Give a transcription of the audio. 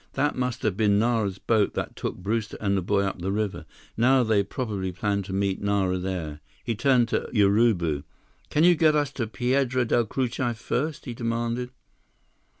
"That must have been Nara's boat that took Brewster and the boy up the river. Now, they probably plan to meet Nara there." He turned to Urubu. "Can you get us to Piedra Del Cucuy first?" he demanded.